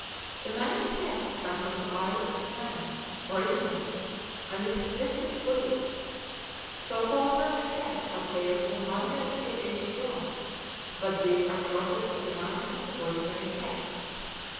The Manx cat came from the Isle of Man originally, and is a distinct breed. So called Manx cats have tails from one to a few inches long, but these are crosses of the Manx and the ordinary cat.